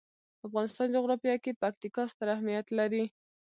د افغانستان جغرافیه کې پکتیکا ستر اهمیت لري.